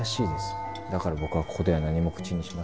だから僕はここでは何も口にしません。